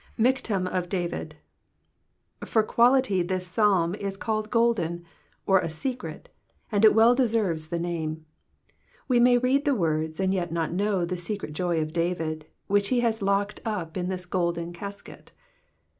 Michtam of David. For quality this Psalm is called golden, or a secret, and it xceU deserves the name. We may read the voords and yet not know the secret joy of David, which he has locked up in this golden casket.